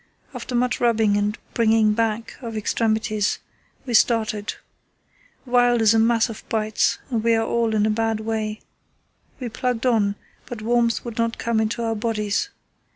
After much rubbing and 'bringing back' of extremities we started. Wild is a mass of bites, and we are all in a bad way. We plugged on, but warmth would not come into our bodies.